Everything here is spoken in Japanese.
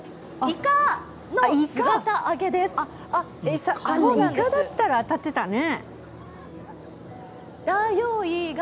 イカだったら当たってたね。